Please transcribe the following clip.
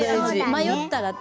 迷ったら。